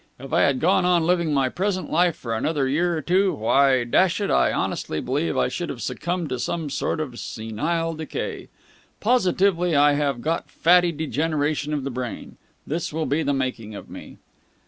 If I had gone on living my present life for another year or two, why, dash it, I honestly believe I should have succumbed to some sort of senile decay. Positively I should have got fatty degeneration of the brain! This will be the making of me."